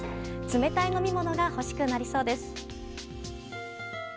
冷たい飲み物が欲しくなりそうです。